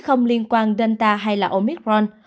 không liên quan delta hay omicron